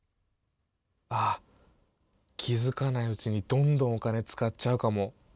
あっ気づかないうちにどんどんお金使っちゃうかも。